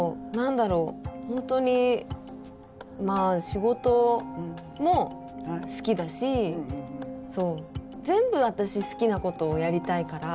仕事も好きだし全部私好きなことをやりたいから。